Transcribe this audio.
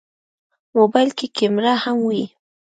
موبایل کې کیمره هم وي.